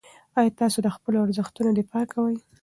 آیا تاسې د خپلو ارزښتونو دفاع کوئ؟